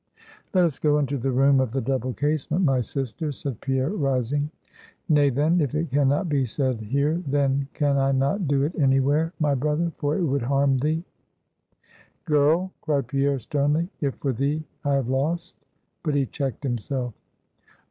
"Let us go into the room of the double casement, my sister," said Pierre, rising. "Nay, then; if it can not be said here, then can I not do it anywhere, my brother; for it would harm thee." "Girl!" cried Pierre, sternly, "if for thee I have lost" but he checked himself.